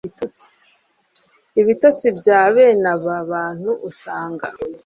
Ibitotsi bya bene aba bantu usanga